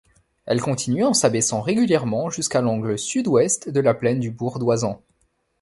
Elle continue en s'abaissant régulièrement jusqu'à l'angle Sud-Ouest de la plaine du Bourg d'Oisans.